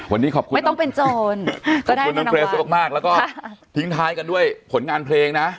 วันนี้ขอบคุณน้องเกรสขอบคุณน้องเกรสมากแล้วก็ทิ้งท้ายกันด้วยผลงานเพลงนะ